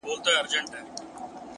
په ساز جوړ وم؛ له خدايه څخه ليري نه وم؛